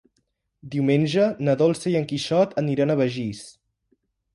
Diumenge na Dolça i en Quixot aniran a Begís.